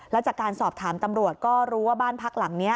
แล้วจากการสอบถามตำรวจก็รู้ว่าบ้านพักหลังนี้